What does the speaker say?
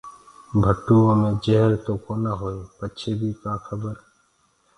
ڀٽوئو مي جهر تو ڪونآ هوئي پچي بي ڪآ کبر؟